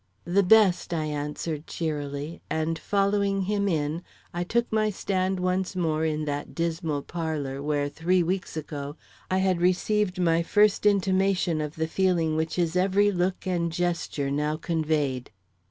"The best," I answered cheerily, and following him in, I took my stand once more in that dismal parlor where weeks ago I had received my first intimation of the feeling which his every look and gesture now conveyed.